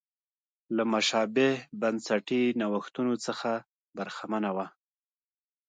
له مشابه بنسټي نوښتونو څخه برخمنه وه.